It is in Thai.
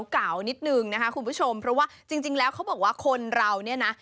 เก่านิดนึงนะคะคุณผู้ชมเพราะว่าจริงแล้วเขาบอกว่าคนเราเนี่ยนะ